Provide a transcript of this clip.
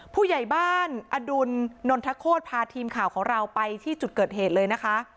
ผู้ใหญ่บ้านอดุลนนทโคตรพาทีมข่าวของเราไปที่จุดเกิดเหตุเลยนะคะ